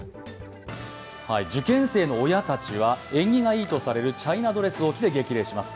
受験生の親たちは縁起がいいとされるチャイナドレスを着て激励します。